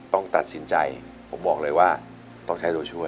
ต้องตัดสินใจผมบอกเลยว่าต้องใช้ตัวช่วย